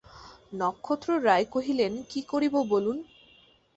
নক্ষত্ররায় কহিলেন, কী করিব বলুন।